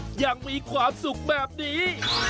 ผลผลิตอย่างมีความสุขแบบนี้